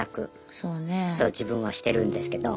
自分はしてるんですけど。